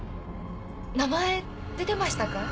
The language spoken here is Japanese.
名前出てましたか？